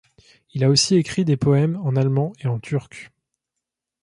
Il a aussi écrit des poèmes en allemand et turc.